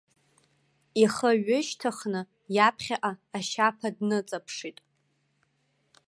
Ихы ҩышьҭыхны иаԥхьаҟа ашьаԥа дныҵаԥшит.